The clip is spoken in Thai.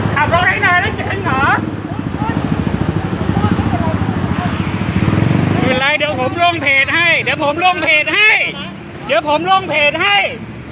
ขอบคุณครับ